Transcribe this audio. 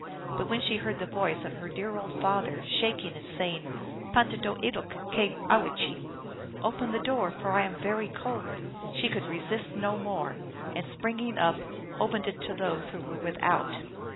But when she heard the voice of her dear old father, shaking and saying, " Pantahdooe loke cyowchee!" " Open the door, for I am very cold !" she could resist no more, and, spring ing up, opened it to those who were without.